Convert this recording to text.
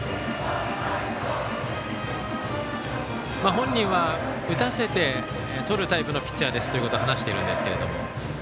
本人は打たせてとるタイプのピッチャーですと話しているんですけれども。